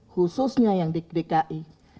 khususnya yang dki